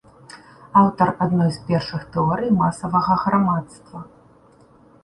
Аўтар адной з першых тэорый масавага грамадства.